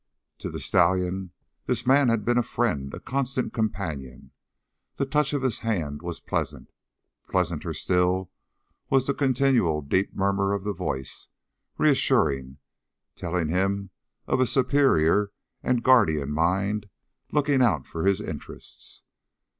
To the stallion, this man had been a friend, a constant companion. The touch of his hand was pleasant. Pleasanter still was the continual deep murmur of the voice, reassuring, telling him of a superior and guardian mind looking out for his interests.